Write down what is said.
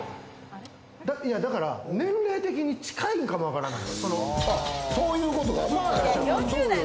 だから年齢的に近いんかもわからない。